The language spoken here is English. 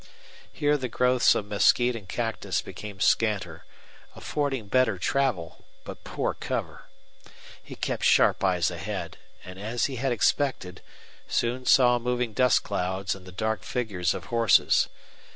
Here the growths of mesquite and cactus became scanter, affording better travel but poor cover. He kept sharp eyes ahead, and, as he had expected, soon saw moving dust clouds and the dark figures of horses.